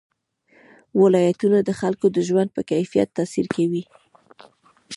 ولایتونه د خلکو د ژوند په کیفیت تاثیر کوي.